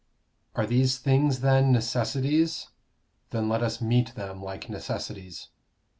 Are these things then necessities? Then let us meet them like necessities.